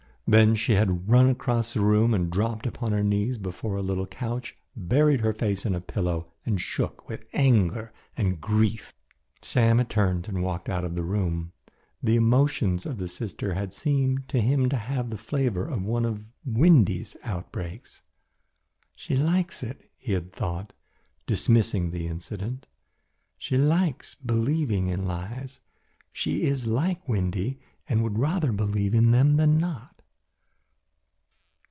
Then she had run across the room and dropped upon her knees before a little couch, buried her face in a pillow and shook with anger and grief. Sam had turned and walked out of the room. The emotions of the sister had seemed to him to have the flavour of one of Windy's outbreaks. "She likes it," he had thought, dismissing the incident. "She likes believing in lies. She is like Windy and would rather believe in them than not."